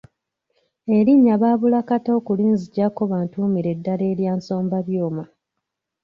Erinnya baabula kata okulinzigyako bantuumire ddala erya 'Nsombabyuma".